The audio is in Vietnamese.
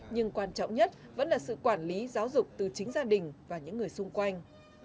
nhưng quan trọng nhất vẫn là sự quản lý giáo dục từ chính gia đình và những người xung quanh